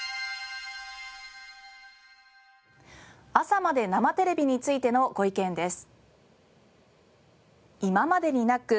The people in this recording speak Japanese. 『朝まで生テレビ！』についてのご意見です。